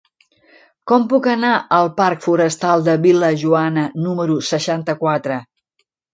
Com puc anar al parc Forestal de Vil·lajoana número seixanta-quatre?